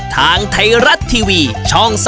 ทางไทรรัตย์ทีวีช่อง๓๒เดอร์